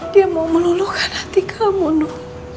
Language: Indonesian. dia mau meluluhkan hati kamu